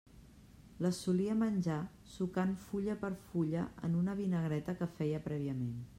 Les solia menjar sucant fulla per fulla en una vinagreta que feia prèviament.